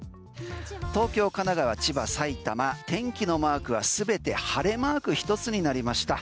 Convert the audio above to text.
東京、神奈川、千葉、埼玉天気マークは全て晴れマーク１つになりました。